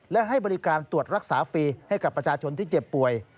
และให้บริการตรวจรักษาฟรีให้กับประชาชนที่เจ็บป่วย